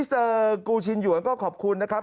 คุณกูชื่นอยู่ก็ขอบคุณนะครับ